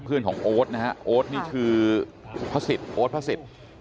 เพื่อนของโอ๊ตนะฮะโอ๊ตนี่คือพระศิษย์โอ๊ตพระศิษย์